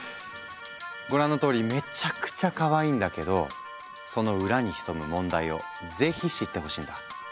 ご覧のとおりめちゃくちゃかわいいんだけどその裏に潜む問題を是非知ってほしいんだ。